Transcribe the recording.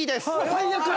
最悪！